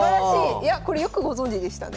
いやこれよくご存じでしたね。